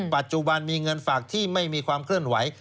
ปัจจุบันมีเงินฝากที่ไม่มีความเคลื่อนไหว